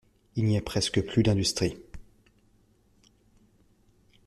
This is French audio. Il n'y a presque plus d'industrie.